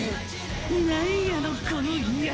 何やのこの威圧！！